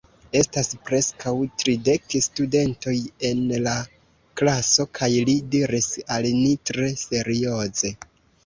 Estas preskaŭ tridek studentoj en la klaso, kaj li diris al ni tre serioze: